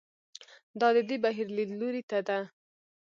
دا د دې بهیر لیدلوري ته ده.